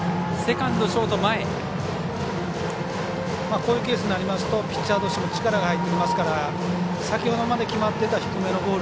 こういうケースになりますとピッチャーとしても力が入ってきますから先ほどまで決まっていた低めのボール。